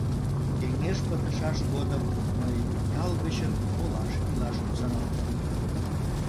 Кеҥеж пытышаш годым мый ял гычын олаш илаш кусаралтым.